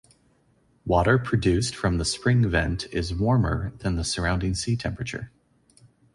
Water produced from the spring vent is warmer than the surrounding sea temperature.